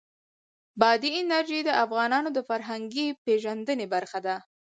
بادي انرژي د افغانانو د فرهنګي پیژندنې برخه ده.